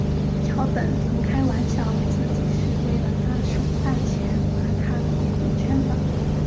桥本曾开玩笑自己是为了拿省饭钱而踏入演艺圈的。